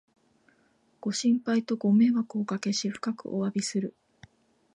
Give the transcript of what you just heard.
ご心配とご迷惑をおかけし、深くおわびする